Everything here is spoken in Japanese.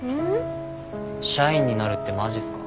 社員になるってマジっすか？